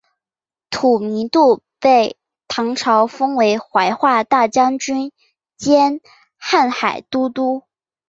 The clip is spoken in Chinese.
吐迷度被唐朝封为怀化大将军兼瀚海都督。